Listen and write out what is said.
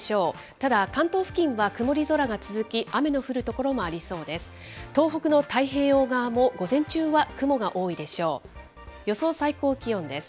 ただ、関東付近は曇り空が続き、雨の降る所もありそうです。